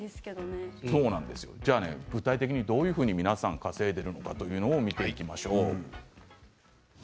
具体的にどういうふうに稼いでいるのか見ていきましょう。